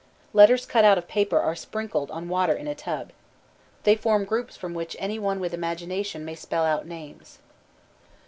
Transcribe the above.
Letters cut out of paper are sprinkled on water in a tub. They form groups from which any one with imagination may spell out names.